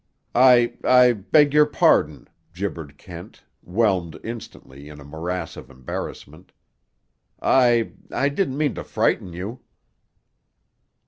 "I—I—I beg your pardon," gibbered Kent, whelmed instantly in a morass of embarrassment. "I—I didn't mean to frighten you."